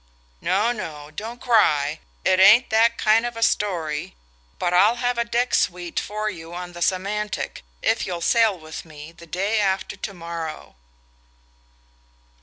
No, no, don't cry it ain't that kind of a story ... but I'll have a deck suite for you on the Semantic if you'll sail with me the day after to morrow."